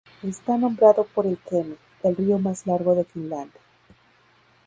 Está nombrado por el Kemi, el río más largo de Finlandia.